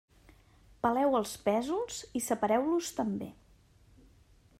Peleu els pèsols i separeu-los també.